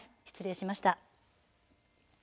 失礼いたしました。